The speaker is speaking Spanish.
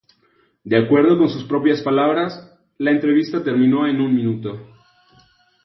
De acuerdo con sus propias palabras, la entrevista terminó en un minuto.